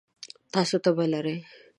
تاسو تبه لرئ؟